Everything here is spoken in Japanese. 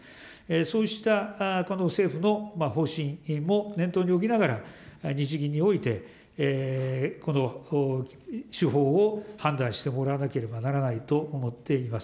そうしたこの政府の方針も念頭に置きながら、日銀において、この手法を判断してもらわなければならないと思っています。